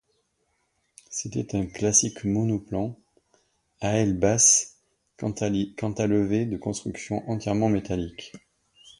C’était un classique monoplan à aile basse cantilever de construction entièrement métallique.